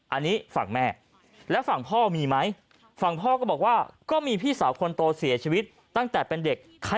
อันนี้ฝั่งแม่แล้วฝั่งพ่อมีไหมฝั่งพ่อก็บอกว่าก็มีพี่สาวคนโตเสียชีวิตตั้งแต่เป็นเด็ก